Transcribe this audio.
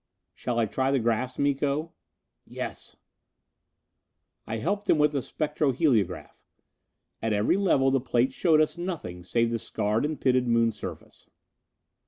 "Shall I try the 'graphs, Miko?" "Yes." I helped him with the spectroheliograph. At every level the plates showed us nothing save the scarred and pitted Moon surface.